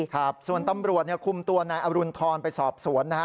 ครับส่วนตำรวจคุมตัวนายอรุณฑรไปสอบสวนนะฮะ